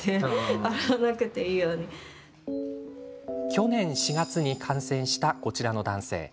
去年４月に感染したこちらの男性。